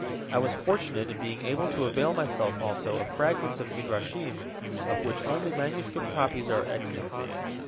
I was fortunate in being able to avail myself also of fragments of Midrashim of which only manuscript copies are extant.